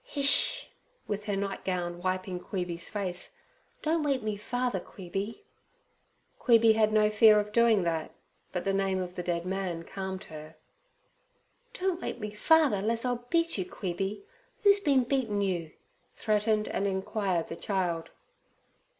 'Hish!' with her nightgown wiping Queeby's face, 'don't wake me father, Queeby.' Queeby had no fear of doing that, but the name of the dead man calmed her. 'Don't wake me father, 'less I'll beat you, Queeby. Oo's been beating you?' threatened and inquired the child.